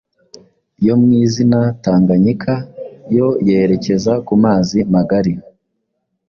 yo mu izina Tanganyika yo yerekeza ku mazi magari